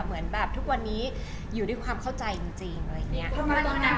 เหมือนแบบทุกวันนี้อยู่ด้วยความเข้าใจจริง